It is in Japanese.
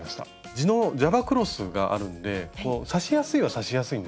地のジャバクロスがあるんで刺しやすいは刺しやすいんですよね。